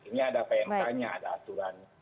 ini ada pmk nya ada aturannya